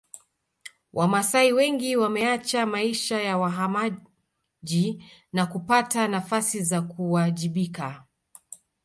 Wamasai wengi wameacha maisha ya wahamaji na kupata nafasi za kuwajibika